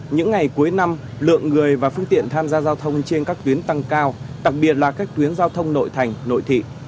những ngày cuối năm lượng người và phương tiện tham gia giao thông trên các tuyến tăng cao đặc biệt là các tuyến giao thông nội thành nội thị